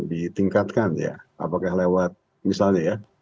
ditingkatkan ya apakah lewat misalnya ya